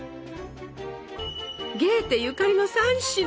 ゲーテゆかりの３品。